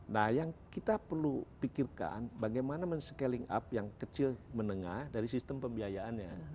nah yang kita perlu pikirkan bagaimana men scaling up yang kecil menengah dari sistem pembiayaannya